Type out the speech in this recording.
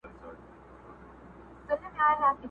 پاچا وغوښته نجلۍ واده تیار سو!.